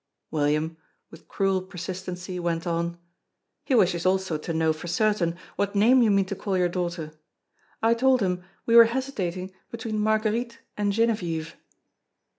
William, with cruel persistency, went on: "He wishes also to know for certain what name you mean to call your daughter. I told him we were hesitating between Marguerite and Genevieve."